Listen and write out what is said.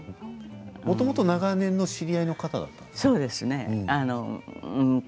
もともと長年の知り合いの方だったんですか。